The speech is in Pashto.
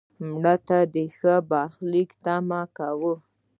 مړه ته د ښه برخلیک تمه کوو